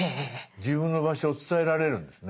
自分の場所を伝えられるんですね。